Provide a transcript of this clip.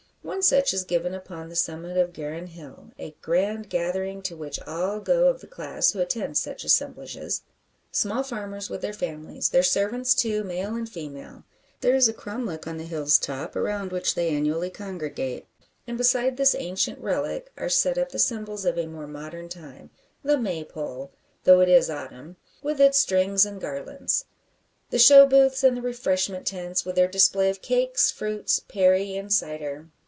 One such is given upon the summit of Garran Hill a grand gathering, to which all go of the class who attend such assemblages small farmers with their families, their servants too, male and female. There is a cromlech on the hill's top, around which they annually congregate, and beside this ancient relic are set up the symbols of a more modern time the Maypole though it is Autumn with its strings and garlands; the show booths and the refreshment tents, with their display of cakes, fruits, perry, and cider.